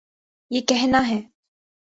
یہ کہنا ہے۔